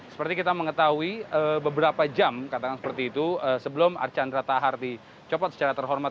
seperti kita mengetahui beberapa jam katakan seperti itu sebelum archandra tahar dicopot secara terhormat